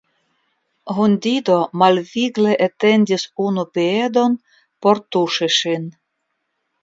Hundido malvigle etendis unu piedon por tuŝi ŝin.